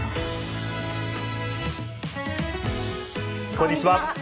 こんにちは。